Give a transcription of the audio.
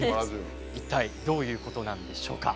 一体どういうことなんでしょうか？